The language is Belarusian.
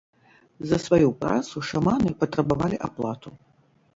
За сваю працу шаманы патрабавалі аплату.